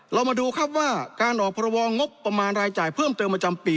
เรามาดูครับว่าการออกพรบงบประมาณรายจ่ายเพิ่มเติมประจำปี